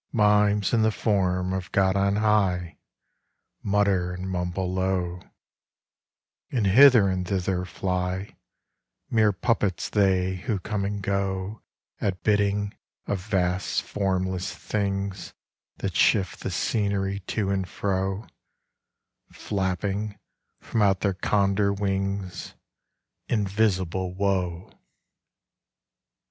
Mimes, in the form of God on high, Mutter and mumble low, And hither and thither fly—Mere puppets they, who come and goAt bidding of vast formless thingsThat shift the scenery to and fro, Flapping from out their Condor wingsInvisible Woe!